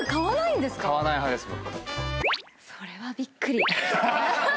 それはびっくり。